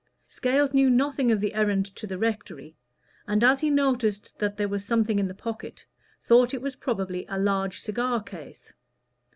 Scales knew nothing of the errand to the rectory; and as he noticed that there was something in the pocket, thought it was probably a large cigar case.